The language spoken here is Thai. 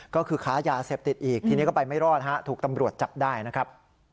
ก็คือค้ายาเสพติดอีกทีนี้ก็ไปไม่รอดฮะถูกตำรวจจับได้นะครับ